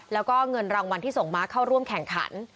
แล้วก็เงินรางวัลที่ส่งม้าเข้าร่วมแข่งขัน